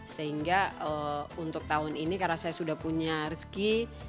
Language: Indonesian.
sehingga untuk tahun ini karena saya sudah punya rezeki